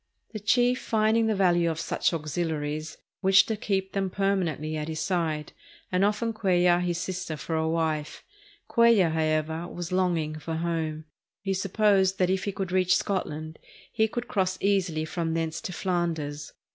The chief, finding the value of such auxiliaries, wished to keep them permanently at his side, and offered Cuel lar his sister for a wife. Cuellar, however, was longing 514 CAPTAIN CUELLAR AND HIS TROUBLES for home. He supposed that if he could reach Scotland, he could cross easily from thence to Flanders.